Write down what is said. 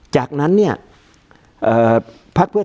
การแสดงความคิดเห็น